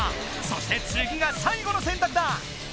そしてつぎが最後の選択だ。